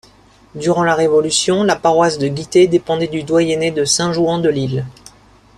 Durant la Révolution, la paroisse de Guitté dépendait du doyenné de Saint-Jouan-de-l'Isle.